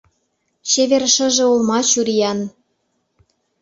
Чевер шыже олма чуриян.